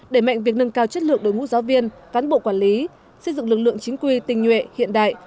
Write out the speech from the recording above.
để mạnh việc nâng cao chất lượng đối ngũ giáo viên phán bộ quản lý xây dựng lực lượng chính quy tình nhuệ hiện đại